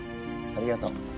ありがとう。